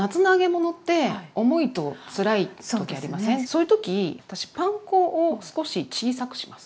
そういう時私パン粉を少し小さくします。